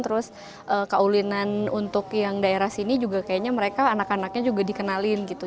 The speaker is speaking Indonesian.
terus kaulinan untuk yang daerah sini juga kayaknya mereka anak anaknya juga dikenalin gitu